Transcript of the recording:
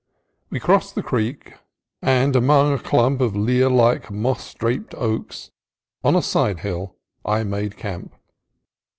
We crossed the creek, and among a clump of Lear like, moss draped oaks on a sidehill I made camp.